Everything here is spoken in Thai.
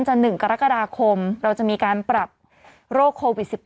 ๑กรกฎาคมเราจะมีการปรับโรคโควิด๑๙